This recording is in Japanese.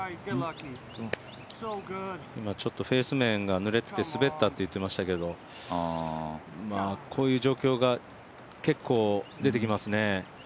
ちょっとフェース面がぬれてて滑ったっていいましたけどこういう状況が結構、出てきますね。